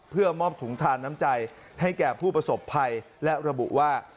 เพื่อมอบถุงทานน้ำใจให้แก่ผู้ประสบภัยและระบุว่า